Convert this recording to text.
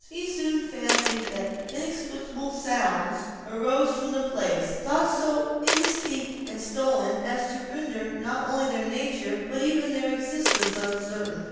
He soon fancied that inexplicable sounds arose from the place, though so indistinct and stolen, as to render not only their nature but even their existence uncertain.